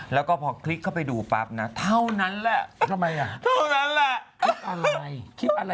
แล้วก็พอคลิกเข้าไปดูปรับนะเท่านั้นแหละ